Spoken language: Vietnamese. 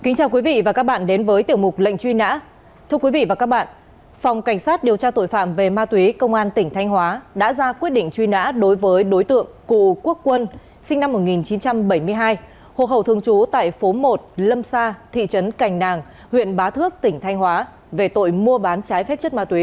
hãy đăng ký kênh để ủng hộ kênh của chúng mình nhé